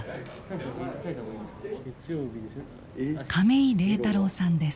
亀井励太郎さんです。